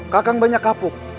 kekang banyak kabuk